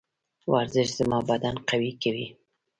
ورزش زما بدن قوي کوي.